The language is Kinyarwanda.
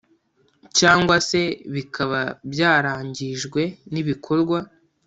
cyangwa se bikaba byarangijwe n ibikorwa